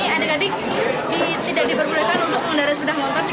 adik adik tidak diperbolehkan untuk mengundang undang sepeda motor